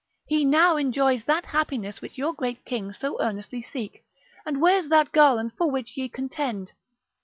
He now enjoys that happiness which your great kings so earnestly seek, and wears that garland for which ye contend.